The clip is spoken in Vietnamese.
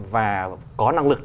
và có năng lực